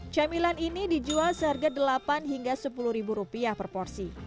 camilan ini dijual seharga rp delapan hingga rp sepuluh per porsi